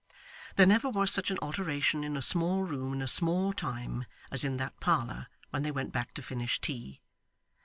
There never was such an alteration in a small room in a small time as in that parlour when they went back to finish tea.